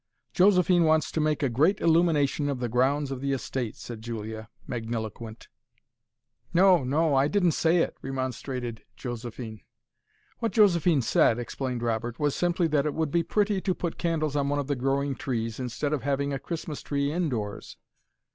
"Josephine wants to make a great illumination of the grounds of the estate," said Julia, magniloquent. "No no I didn't say it," remonstrated Josephine. "What Josephine said," explained Robert, "was simply that it would be pretty to put candles on one of the growing trees, instead of having a Christmas tree indoors."